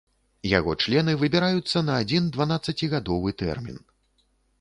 Яго члены выбіраюцца на адзін дванаццацігадовы тэрмін.